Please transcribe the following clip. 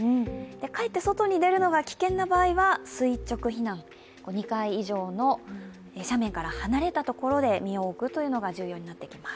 かえって外に出るのが危険な場合は垂直避難、２階以上の斜面から離れたところで身を置くのが重要になってきます。